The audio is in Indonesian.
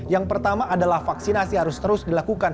yang pertama adalah vaksinasi harus terus dilakukan